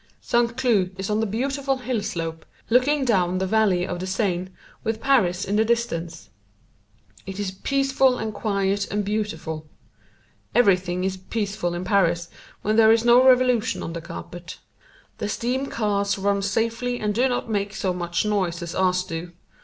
St. Cloud is on the beautiful hill slope, looking down the valley of the Seine, with Paris in the distance. It is peaceful and quiet and beautiful. Everything is peaceful in Paris when there is no revolution on the carpet. The steam cars run safely and do not make so much noise as ours do.